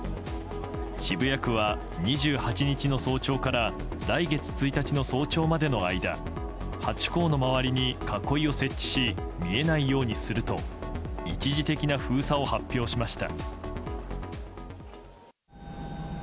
渋谷区は２８日の早朝から来月１日の早朝までの間ハチ公の周りに囲いを設置し見えないようにすると一時的な封鎖を発表しました。